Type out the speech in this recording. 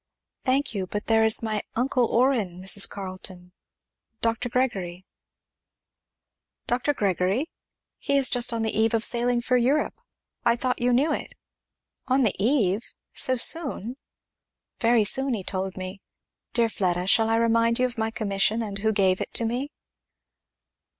"Thank you but there is my uncle Orrin, Mrs. Carleton, Dr. Gregory." "Dr. Gregory? He is just on the eve of sailing for Europe I thought you knew it." "On the eve? so soon?" "Very soon, he told me. Dear Fleda shall I remind you of my commission, and who gave it to me?"